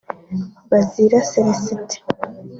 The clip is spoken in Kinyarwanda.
Bazira Celestin